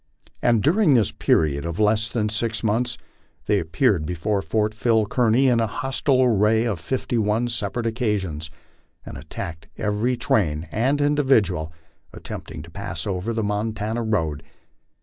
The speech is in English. And during this period of less than six months, they appeared before Fort Phil Kearny in hostile array on fifty one separate occasions, and attacked every train and individual attempting to pass over the Montana road.